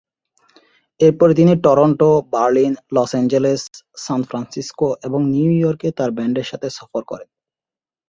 এরপরে তিনি Toronto, Berlin, Los Angeles, San Francisco এবং নিউ ইয়র্কে তাঁর ব্যান্ডের সাথে সফর করেন।